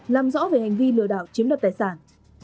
làm rõ về hành vi lừa đảo chiếm đoạt tài sản